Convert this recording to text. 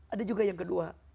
ada juga yang kedua